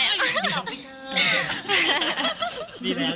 อ๋อนอยู่นี่เหรอพี่เจอ